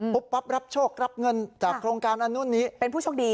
ปุ๊บปั๊บรับโชครับเงินจากโครงการอันนู้นนี้